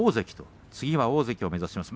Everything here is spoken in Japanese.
次は大関を目指しますと。